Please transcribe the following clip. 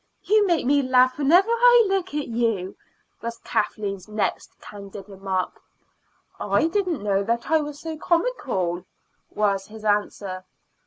"You make me laugh whenever I look at you," was Kathleen's next candid remark. "I didn't know that I was so comical," was his answer.